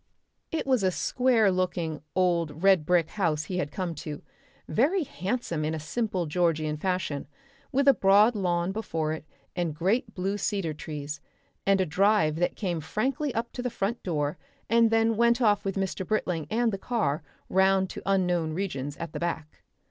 It was a square looking old red brick house he had come to, very handsome in a simple Georgian fashion, with a broad lawn before it and great blue cedar trees, and a drive that came frankly up to the front door and then went off with Mr. Britling and the car round to unknown regions at the back.